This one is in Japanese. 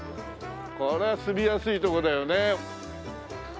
これは住みやすいとこだよね。